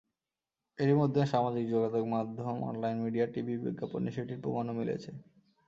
এরই মধ্যে সামাজিক যোগাযোগমাধ্যম, অনলাইন মিডিয়া, টিভি বিজ্ঞাপনে সেটির প্রমাণও মিলছে।